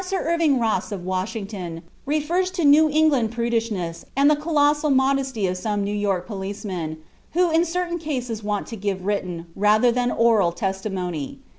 Prof. Irving Rosse, of Washington, refers to "New England prudishness," and "the colossal modesty of some New York policemen, who in certain cases want to give written, rather than oral testimony."